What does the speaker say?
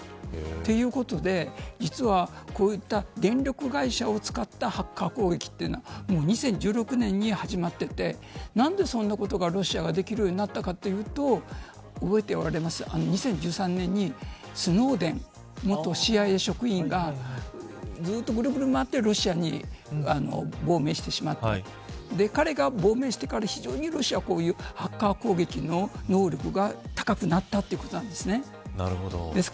ということで実は、こういった電力会社を使ったハッカー攻撃というのは２０１６年に始まっていて何でそんなことがロシアができるようになったかというと２０１３年に、スノーデン元ＣＩＡ職員がずっとぐるぐる周ってロシアに亡命してしまったという彼が亡命してからロシアは非常にハッカー攻撃の能力が高くなったんです。